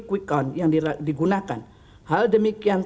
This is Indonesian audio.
quickon yang digunakan hal demikian